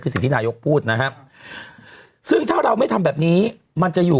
คือสิ่งที่นายกพูดนะครับซึ่งถ้าเราไม่ทำแบบนี้มันจะอยู่